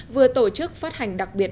vừa tổ chức phát hành đặc biệt